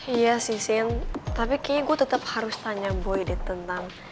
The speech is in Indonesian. iya si sint tapi kayaknya gue tetap harus tanya boy di tentang